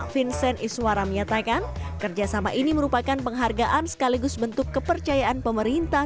vincen iswaram nyatakan kerjasama ini merupakan penghargaan sekaligus bentuk kepercayaan pemerintah